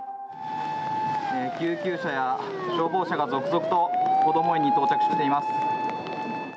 救急車や消防車が続々とこども園に到着しています。